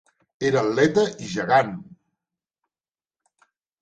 Era atleta i gegant.